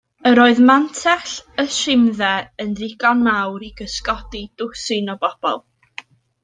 Yr oedd mantell y simdde'n ddigon mawr i gysgodi dwsin o bobl.